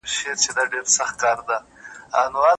هېری څرنگه د مینی ورځی شپې سي